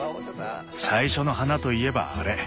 最初の花といえばあれ。